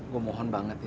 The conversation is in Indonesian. gue mohon banget ya